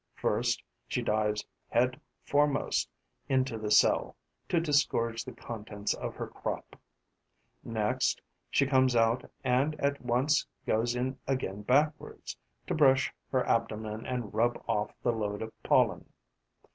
First, she dives head foremost into the cell, to disgorge the contents of her crop; next, she comes out and at once goes in again backwards, to brush her abdomen and rub off the load of pollen.